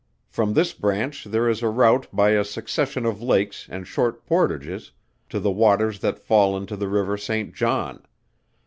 From this branch there is a route by a succession of lakes and short portages to the waters that fall into the river St. John.